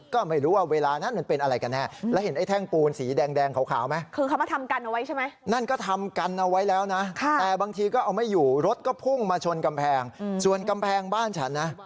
ก็เอาไม่อยู่รถก็พุ่งมาชนกำแพงส่วนกำแพงบ้านฉันนะ